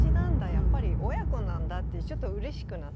やっぱり親子なんだってちょっとうれしくなって。